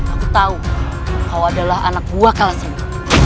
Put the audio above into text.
aku tahu kau adalah anak buah kalas rengi